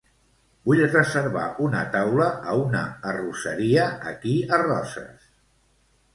Vull reservar una taula a una arrosseria aquí a Roses.